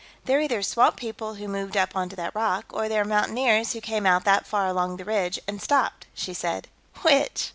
"They're either swamp people who moved up onto that rock, or they're mountaineers who came out that far along the ridge and stopped," she said. "Which?"